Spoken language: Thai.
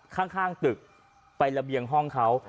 ข้างตึกไประเบียงห้องเขา